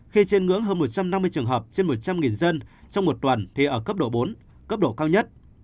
khi trên ngưỡng hơn một trăm năm mươi trường hợp trên một trăm linh dân trong một tuần thì ở cấp độ bốn cấp độ cao nhất